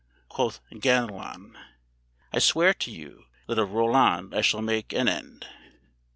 Quoth Ganelon: 'I swear to you that of Roland I shall make an end.'"